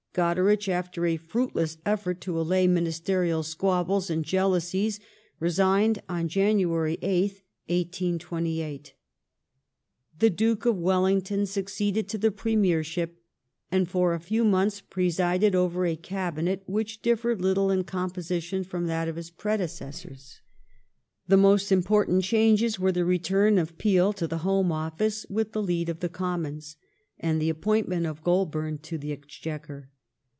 Goderich, after a fruitless effort to allay ministerial squabbles and jealousies, resigned on January 8th, 1828.^ Tlie Duke of Wellington succeeded to the Premiership, and for a few months presided over a Cabinet which differed little in com position from that of his predecessors. The most important changes were the return of Peel to the Home Office with the lead of the Commons, 'and the appointment of Goulburn to the Exchequer.